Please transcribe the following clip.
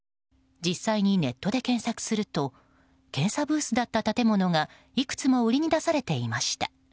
実際にネットで検索すると検査ブースだった建物がいくつも売りに出されていました。